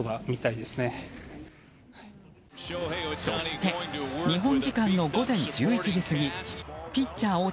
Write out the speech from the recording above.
そして日本時間の午前１１時過ぎピッチャー